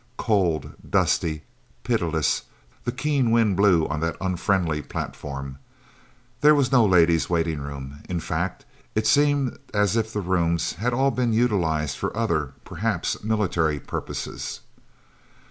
Cold, dusty, pitiless, the keen wind blew on that unfriendly platform. There was no ladies' waiting room in fact, it seemed as if the rooms had all been utilised for other, perhaps military, purposes.